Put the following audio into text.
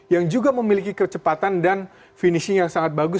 yang juga memiliki kecepatan dan finishing yang sangat bagus